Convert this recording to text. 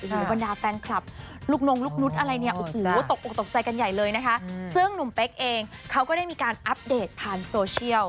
กับประธานาศาสตรีกับแฟนครับลุกนวงลุกนุดตกใจกันใหญ่เลยเค้าก็ได้มีอัพเดตผ่านโซเชียล